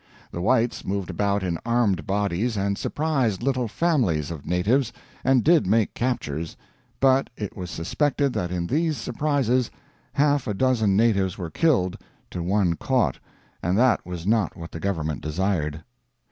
The Whites moved about in armed bodies, and surprised little families of natives, and did make captures; but it was suspected that in these surprises half a dozen natives were killed to one caught and that was not what the Government desired.